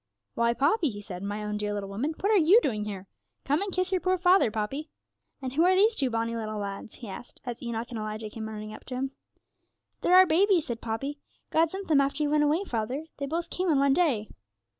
'Why, Poppy,' he said, 'my own dear little woman, what are you doing here? Come and kiss your poor father, Poppy. And who are these two bonny little lads?' he asked, as Enoch and Elijah came running up to him. 'They're our babies,' said Poppy. 'God sent them after you went away, father; they both came on one day.'